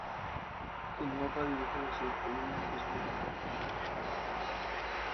El mapa dibuja la ciudad con un impresionante detalle.